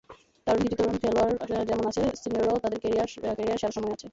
দারুণ কিছু তরুণ খেলোয়াড় যেমন আছে, সিনিয়ররাও তাদের ক্যারিয়ারের সেরা সময়ে আছে।